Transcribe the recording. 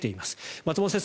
松本先生